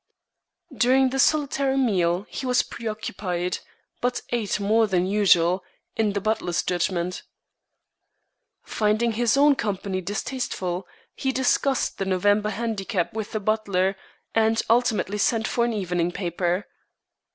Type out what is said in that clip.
During the solitary meal he was preoccupied, but ate more than usual, in the butler's judgment. Finding his own company distasteful, he discussed the November Handicap with the butler, and ultimately sent for an evening paper.